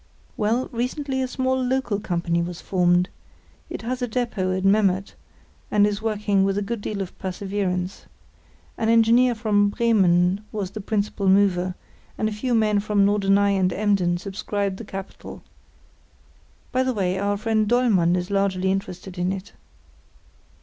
"Well, recently a small local company was formed. It has a depôt at Memmert, and is working with a good deal of perseverance. An engineer from Bremen was the principal mover, and a few men from Norderney and Emden subscribed the capital. By the way, our friend Dollmann is largely interested in it."